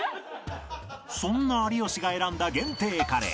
そんな有吉が選んだ限定カレー